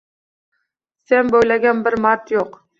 Sen boʻylagan bir mard yoʻq.